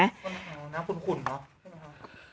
น้ำขุ่นหรอ